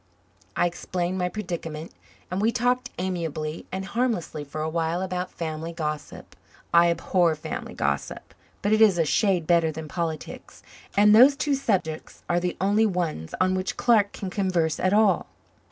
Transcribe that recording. I explained my predicament and we talked amiably and harmlessly for awhile about family gossip. I abhor family gossip, but it is a shade better than politics, and those two subjects are the only ones on which Clark can converse at all.